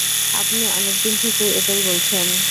আপনি অনেক দিন থেকেই এটাই বলছেন।